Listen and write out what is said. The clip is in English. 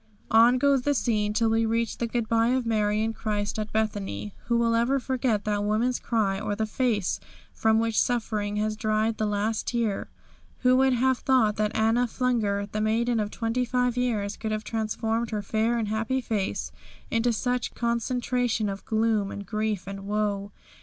On goes the scene till we reach the goodby of Mary and Christ at Bethany. Who will ever forget that woman's cry, or the face from which suffering has dried the last tear? Who would have thought that Anna Flunger, the maiden of twenty five years, could have transformed her fair and happy face into such concentration of gloom and grief and woe?